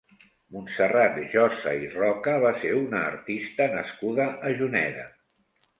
Montserrat Josa i Roca va ser una artista nascuda a Juneda.